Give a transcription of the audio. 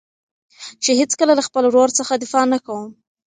چې هېڅکله له خپل ورور څخه دفاع نه کوم.